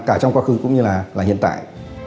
cả trong quá khứ cũng như hiện tại